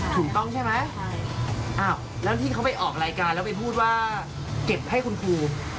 ถูกต้องใช่ไหมใช่อ้าวแล้วที่เขาไปออกรายการแล้วไปพูดว่าเก็บให้คุณครู